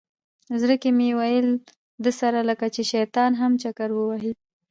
زړه کې مې ویل ده سره لکه چې شیطان هم چکر ووهي.